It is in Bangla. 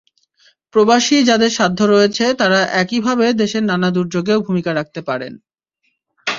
প্রবাসী যাঁদের সাধ্য রয়েছে তাঁরা একইভাবে দেশের নানা দুর্যোগেও ভূমিকা রাখতে পারেন।